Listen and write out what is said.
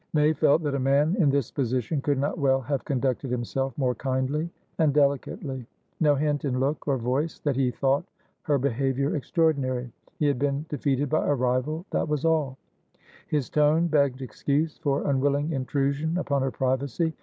May felt that a man in this position could not well have conducted himself more kindly and delicately. No hint in look or voice that he thought her behaviour extraordinary; he had been defeated by a rival, that was all; his tone begged excuse for unwilling intrusion upon her privacy.